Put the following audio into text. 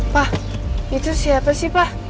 pak itu siapa sih pak